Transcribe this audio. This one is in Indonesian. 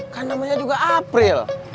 kan namanya juga april